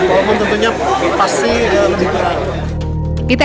walaupun tentunya pasti lebih kurang